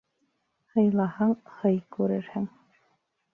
Һыйлаһаң, һый күрерһең.